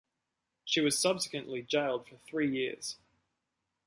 She was subsequently jailed for three years.